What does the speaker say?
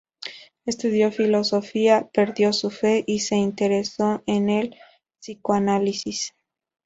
Estudió filosofía, perdió su fe, y se interesó en el psicoanálisis.